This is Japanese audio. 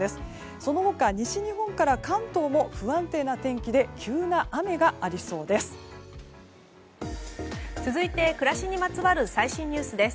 その他、西日本から関東も不安定な天気で急な雨がありそうです。